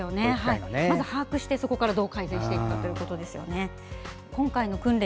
まず把握してそこから改善していくということです。